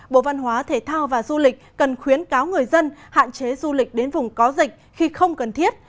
bộ văn hóa thể thao và du lịch cần khuyến cáo người dân hạn chế du lịch đến vùng có dịch khi không cần thiết